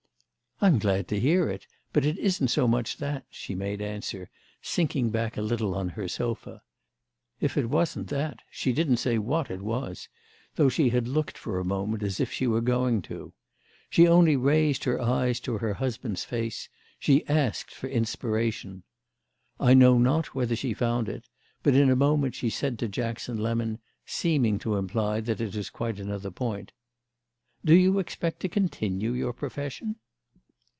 "I'm glad to hear it; but it isn't so much that," she made answer, sinking back a little on her sofa. If it wasn't that she didn't say what it was, though she had looked for a moment as if she were going to. She only raised her eyes to her husband's face, she asked for inspiration. I know not whether she found it, but in a moment she said to Jackson Lemon, seeming to imply that it was quite another point: "Do you expect to continue your profession?"